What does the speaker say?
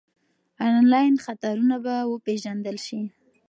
انلاین خطرونه به وپېژندل شي.